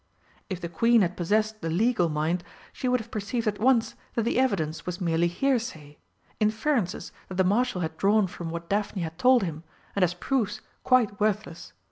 If the Queen had possessed the legal mind she would have perceived at once that the evidence was merely hearsay inferences that the Marshal had drawn from what Daphne had told him, and as proofs quite worthless.